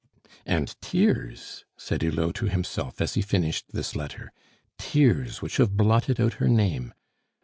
"And tears!" said Hulot to himself as he finished this letter, "tears which have blotted out her name.